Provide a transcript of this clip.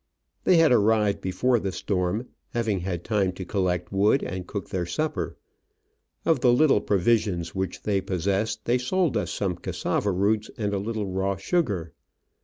They had arrived before the storm, having had time to collect wood and cook their supper : of the little provisions which they pos sessed they sold us some cassava roots and a little raw sugar.